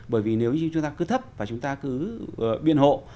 bởi vì nếu như chúng ta cứ thấp và chúng ta cứ biên hộ